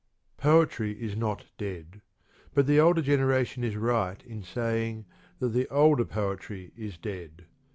Poetry is not dead, but the older generation is right in saying that the Older Poetry is dead.